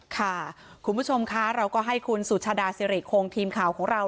ค่ะคุณผู้ชมคะเราก็ให้คุณสุชาดาสิริคงทีมข่าวของเรา